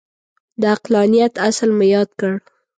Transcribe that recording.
د عقلانیت اصل مو یاد کړ.